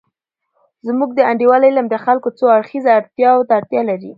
زمونږ د انډول علم د خلګو څو اړخیزه اړتیاوو ته اړتیا لري.